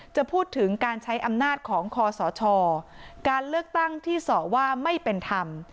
จะพูดถึงการใช้อำนาจของคอสชการเลือกตั้งที่สอว่าไม่เป็นธรรม